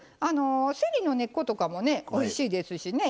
せりの根っことかもねおいしいですしね。